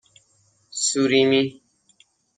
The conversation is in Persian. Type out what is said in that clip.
سوریمی